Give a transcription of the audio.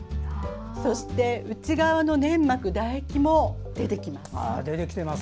そして、内側の粘膜唾液も出てきます。